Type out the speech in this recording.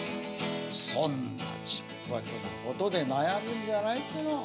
そんなちっぽけなことで悩むんじゃないっつうの。